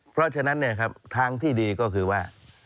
เพราะฉะนั้นทางที่ดีก็คือว่า